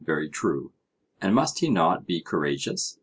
Very true. And must he not be courageous?